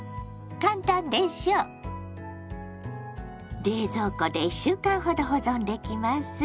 簡単でしょ⁉冷蔵庫で１週間ほど保存できます。